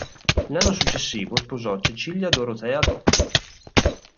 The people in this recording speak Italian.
L'anno successivo sposò Cecilia Dorotea Totti.